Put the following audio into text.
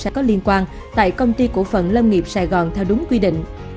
sẽ có liên quan tại công ty cổ phần lâm nghiệp sài gòn theo đúng quy định